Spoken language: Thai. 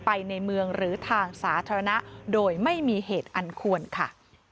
ในเมืองหรือทางสาธารณะโดยไม่มีเหตุอันควรค่ะ